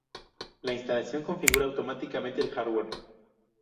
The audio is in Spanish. La instalación configura automáticamente el hardware.